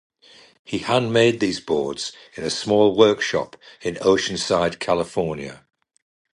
He handmade these boards in a small workshop in Oceanside, California.